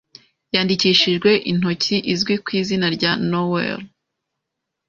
yandikishijwe intoki izwi ku izina rya Nowell